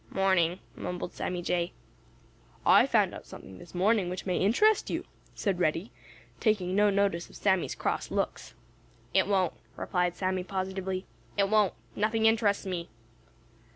"Morning," mumbled Sammy Jay. "I found out something this morning which may interest you," said Reddy, taking no notice of Sammy's cross looks. "It won't," replied Sammy positively. "It won't. Nothing interests me."